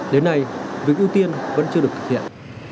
đến nay việc ưu tiên vẫn chưa được thực hiện